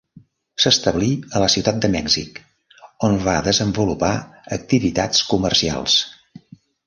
S'establí a la ciutat de Mèxic, on va desenvolupar activitats comercials.